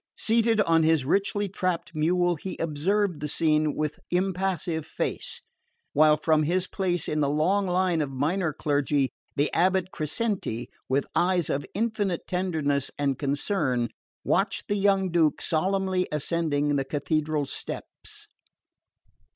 Seated on his richly trapped mule he observed the scene with impassive face; while from his place in the long line of minor clergy, the abate Crescenti, with eyes of infinite tenderness and concern, watched the young Duke solemnly ascending the Cathedral steps.